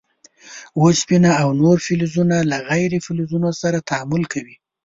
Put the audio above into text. اوسپنه او نور فلزونه له غیر فلزونو سره تعامل کوي.